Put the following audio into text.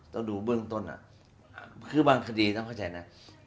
ต้องดูเบื้องต้นคือบางคดีต้องเข้าใจนะ